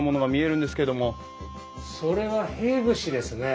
それは幣串ですね。